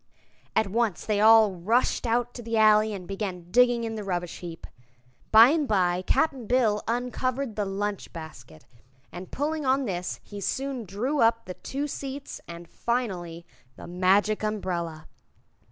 At once they all rushed out to the alley and began digging in the rubbish heap. By and by Cap'n Bill uncovered the lunch basket, and pulling on this he soon drew up the two seats and, finally, the Magic Umbrella.